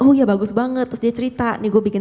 oh ya bagus banget terus dia cerita nih gue bikin